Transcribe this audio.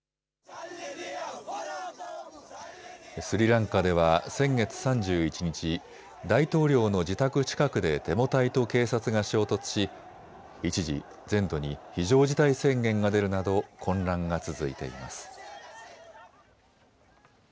スリランカでは先月３１日、大統領の自宅近くでデモ隊と警察が衝突し一時、全土に非常事態宣言が出るなど混乱が続いています。